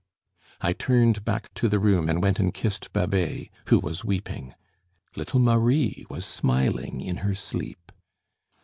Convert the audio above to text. I turned back to the room and went and kissed Babet, who was weeping. Little Marie was smiling in her sleep.